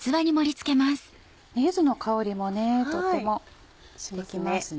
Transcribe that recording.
柚子の香りもとってもして来ますね。